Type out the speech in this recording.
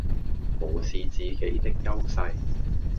無視自己的優勢